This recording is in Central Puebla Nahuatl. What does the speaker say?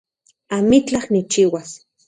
Amitlaj nikchiuas